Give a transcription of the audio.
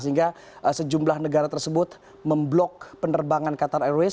sehingga sejumlah negara tersebut memblok penerbangan qatar airways